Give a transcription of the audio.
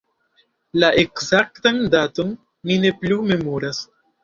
La ekzaktan daton mi ne plu memoras.